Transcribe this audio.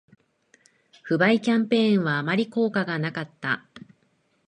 不買キャンペーンはあまり効果がなかった